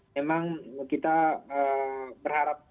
memang kita berharap